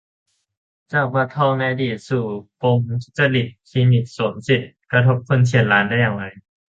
จาก 'บัตรทอง' ในอดีต สู่ปมทุจริต 'คลินิกสวมสิทธิ' กระทบคนเฉียดล้านได้อย่างไร ?